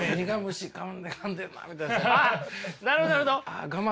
なるほどなるほど。